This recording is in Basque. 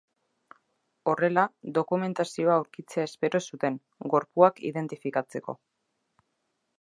Horrela, dokumentazioa aurkitzea espero zuten, gorpuak identifikatzeko.